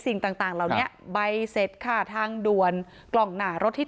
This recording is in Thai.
สิ่งต่างต่างเหล่านี้ใบเสร็จค่ะทางด่วนกล่องหนารถที่